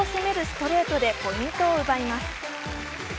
ストレートでポイントを奪います。